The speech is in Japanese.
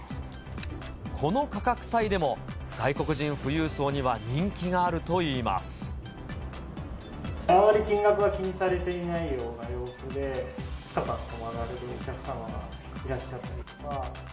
この価格帯でも、外国人富裕あまり金額は気にされていないような様子で、２日間泊まられるお客様がいらっしゃったりとか。